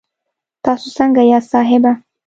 تاسو سنګه یاست صاحبه